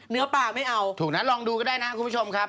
เนื้อปลาไม่เอาถูกนะลองดูก็ได้นะคุณผู้ชมครับ